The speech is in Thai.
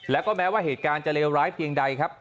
แล้วก็แม้ว่าเหตุการณ์จะเลวร้ายเพียงใดครับ